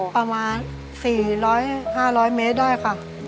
ประมาณ๔๐๐๕๐๐เมตรได้ค่ะ